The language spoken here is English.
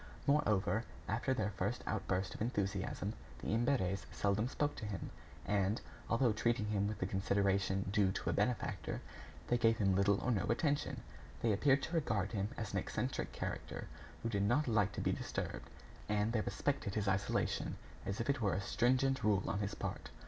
Moreover, after their first outburst of enthusiasm, the Imberts seldom spoke to him, and, although treating him with the consideration due to a benefactor, they gave him little or no attention. They appeared to regard him as an eccentric character who did not like to be disturbed, and they respected his isolation as if it were a stringent rule on his part.